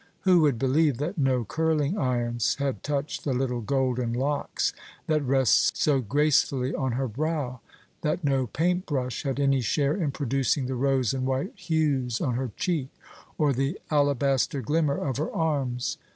Who would believe that no curling irons had touched the little golden locks that rest so gracefully on her brow, that no paint brush had any share in producing the rose and white hues on her cheek, or the alabaster glimmer of her arms?